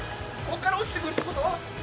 こっから落ちてくるってこと？